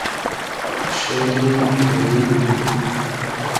شونی میدیم